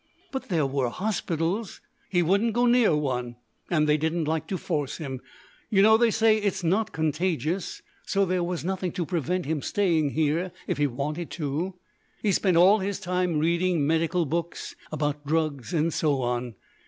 "But there were hospitals." "He wouldn't go near one, and they didn't like to force him. You know, they say it's not contagious, so there was nothing to prevent his staying here if he wanted to. He spent all his time reading medical books, about drugs and so on.